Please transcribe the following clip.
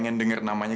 ini udah macam mana ya